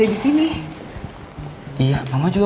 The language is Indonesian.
ini dia anjwing ditajam terus